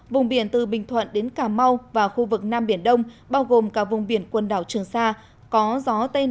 vùng biển từ bình thuận đến cà mau và khu vực nam biển đông bao gồm cả vùng biển quần đảo trường sa